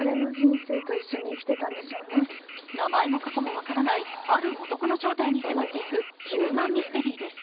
名前も過去も分からない、ある男の正体に迫っていくヒューマンミステリーです。